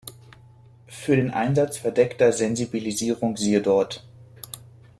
Für den Einsatz verdeckter Sensibilisierung siehe dort.